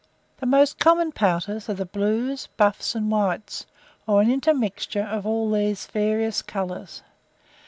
The most common pouters are the blues, buffs, and whites, or an intermixture of all these various colours.